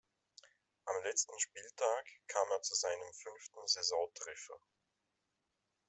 Am letzten Spieltag kam er zu seinem fünften Saisontreffer.